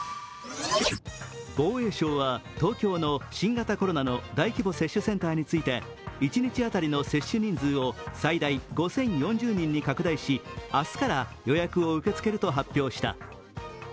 防衛省は東京の新型コロナの大規模接種センターについて一日当たりの接種人数を最大５０４０人に拡大し明日から予約を受け付けると発表した。